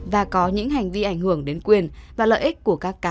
và có những hành vi ảnh hưởng đến quyền và lợi ích của các cá nhân tổ chức